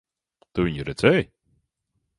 Tu viņu redzēji?